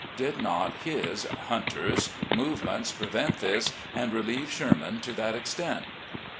Did not his (Hunter's) movements prevent this, and relieve Sherman to that extent?